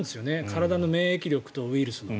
体の免疫力とウイルスの。